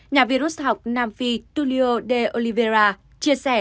nhà viên rút học nam phi tulio de oliveira chia sẻ